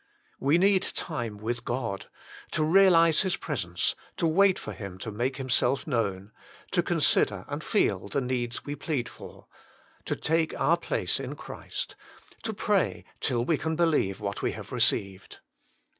We need time with God to realise His presence ; to wait for Him to make Himself known ; to consider and feel the needs \ve plead for ; to take our place in Christ ; to pray till we can believe that we have received.